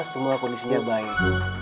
semua kondisinya baik